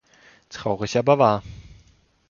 Traurig, aber wahr.